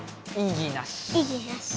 いぎなし！